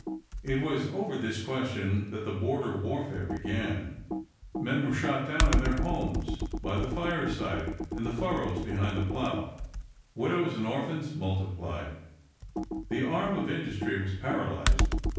It was over this question that the border warfare began; men were shot down in their homes, by the fireside, in the furrows behind the plow; widows and orphans multiplied; the arm of industry was paralyzed.